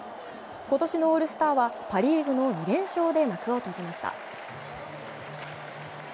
今年のオールスターはパ・リーグの２連勝で幕を閉じました。